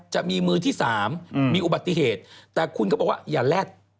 จะมีมือที่สามมีอุบัติเหตุแต่คุณเขาบอกว่าอย่าแลด